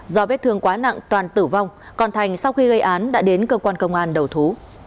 do vết thương quá nặng toàn tử vong còn thành sau khi gây án đã đến cơ quan công an đầu thú